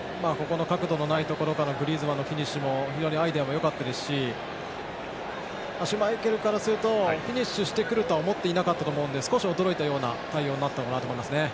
角度のないところからグリーズマンのフィニッシュも非常にアイデアもよかったですしシュマイケルからするとフィニッシュしてくるとは思っていなかったと思うので少し驚いたような対応になったのかなと思います。